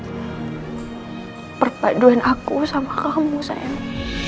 perpaduan aku sama kamu sayang